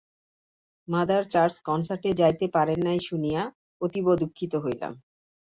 Mother church কনসার্টে যাইতে পারেন নাই শুনিয়া অতীব দুঃখিত হইলাম।